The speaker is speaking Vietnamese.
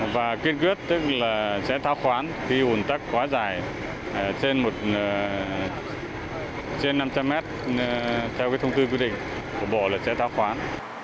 và kiên quyết tức là sẽ thao khoán khi hùn tắc quá dài trên năm trăm linh m theo cái thông tư quy định của bộ là sẽ thao khoán